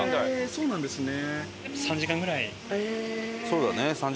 そうなんですね。